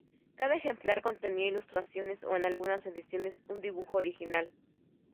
Cada ejemplar contenía ilustraciones o en algunas ediciones un dibujo original.